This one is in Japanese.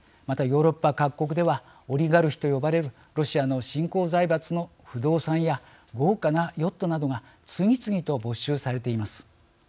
またヨーロッパ各国ではオリガルヒと呼ばれるロシアの新興財閥の不動産や豪華なヨットなどが次々と没収されています。